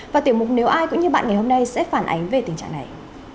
và tiểu mục nếu ai cũng như bạn ngày hôm nay sẽ phản ánh về tình trạng này